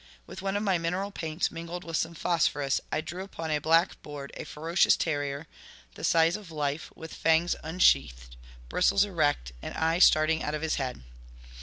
With one of my mineral paints mingled with some phosphorus, I drew upon a black board a ferocious terrier, the size of life, with fangs unsheathed, bristles erect, and eyes starting out of his head.